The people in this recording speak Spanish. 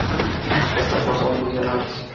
Estas no son funcionales.